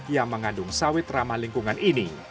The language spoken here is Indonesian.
yang mengandung sawit ramah lingkungan ini